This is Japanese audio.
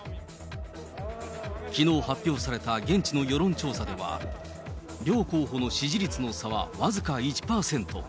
きのう発表された現地の世論調査では、両候補の支持率の差は、僅か１％。